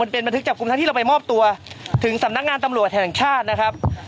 เป็นบันทึกจับกลุ่มทั้งที่เราไปมอบตัวถึงสำนักงานตำรวจแห่งชาตินะครับ